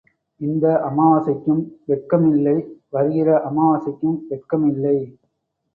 இந்த அமாவாசைக்கும் வெட்கம் இல்லை வருகிற அமாவாசைக்கும் வெட்கம் இல்லை.